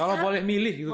kalau boleh milih gitu